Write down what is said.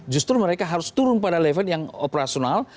justru mereka harus turun pada level yang operasional